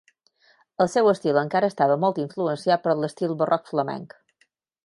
El seu estil encara estava molt influenciat per l'estil barroc flamenc.